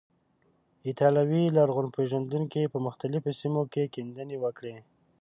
ایټالوي لرغون پیژندونکو په مختلفو سیمو کې کیندنې وکړې.